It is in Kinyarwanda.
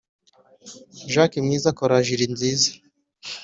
jack mwiza akora jill nziza.